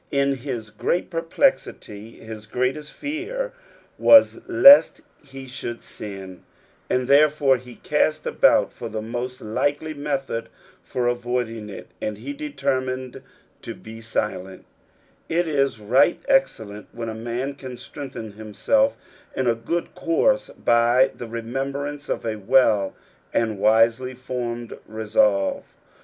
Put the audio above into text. Inhisgrait perplexity his greatei>t fear was lest he should siu ; and, therefore, he cast ibout for the most likely metbod for avoiding it, and he deteiniined to be silent It is right excellent when a man can strengthen himself in a good course bj the re membrance of a well and wiHeij fonned resolve.